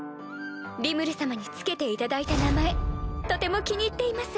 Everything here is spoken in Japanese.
リムル様に付けていただいた名前とても気に入っています。